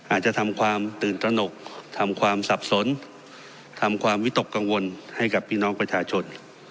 อาจจะทำความตื่นตระหนกทำความสับสนทำความวิตกกังวลให้กับพี่น้องประชาชน